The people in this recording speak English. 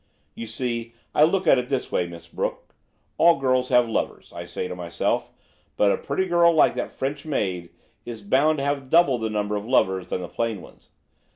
You see I look at it this way, Miss Brooke: all girls have lovers, I say to myself, but a pretty girl like that French maid, is bound to have double the number of lovers than the plain ones.